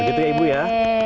begitu ya ibu ya